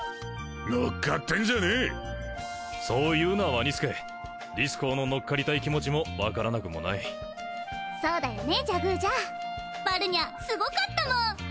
乗っかってんじゃねぇそう言うなワニスケディスコウの乗っかりたい気持ちも分からなくもないそうだよねジャグージャバルニャーすごかったもん！